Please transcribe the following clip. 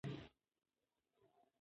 هغه د انتقالي حالت لپاره چمتووالی درلود.